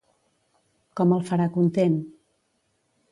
Com el farà content?